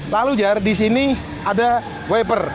lalu jer disini ada wiper